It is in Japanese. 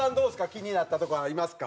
気になったとこありますか？